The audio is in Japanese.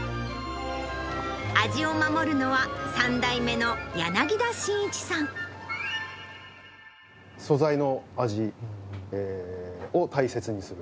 味を守るのは、素材の味を大切にする。